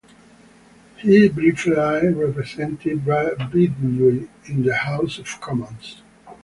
He briefly represented Bewdley in the House of Commons.